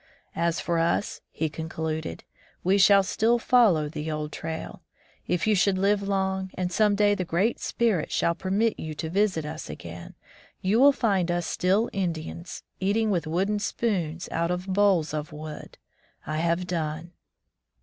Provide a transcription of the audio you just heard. As for us," he concluded, "we shall still follow the old trail. If you should live long, and some day the Great Spirit shall permit you to visit us again, you will find us still Indians, eating with wooden spoons out of bowls of wood. I have done."